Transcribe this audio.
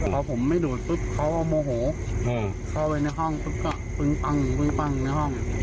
พอผมไม่ดูดปุ๊บเขาก็โมโหเข้าไปในห้องปุ๊บก็ปึ้งปั้งในห้อง